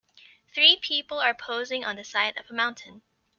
Three people are posing on the side of a mountain.